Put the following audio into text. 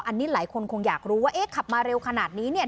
อันนี้หลายคนคงอยากรู้ว่าเอ๊ะขับมาเร็วขนาดนี้เนี่ย